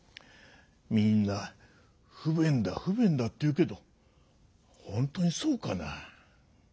みんな不便だ不便だって言うけどほんとにそうかな？